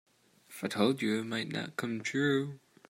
If I told you it might not come true.